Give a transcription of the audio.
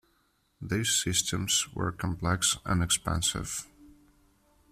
These systems were complex and expensive.